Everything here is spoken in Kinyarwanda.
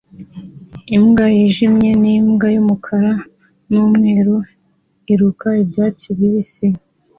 Imbwa yijimye nimbwa yumukara numweru iruka ibyatsi bibisi